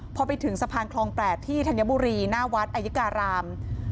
พอไปถึงสะพานคลอง๘ที่ธัญบุรีหน้าวัดอายุการาม